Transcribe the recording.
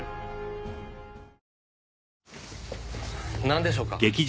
なんでしょうか？